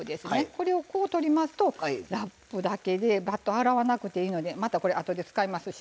これをこう取りますとラップだけでバット洗わなくていいのでまたこれあとで使いますしね。